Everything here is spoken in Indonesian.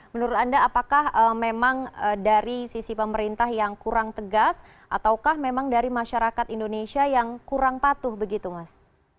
menurut anda apakah memang dari sisi pemerintah yang kurang tegas ataukah memang dari masyarakat indonesia yang kurang patuh begitu mas